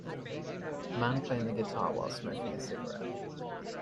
A man playing the guitar while smoking a cigarette.